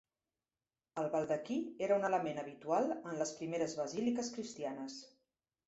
El baldaquí era un element habitual en les primeres basíliques cristianes.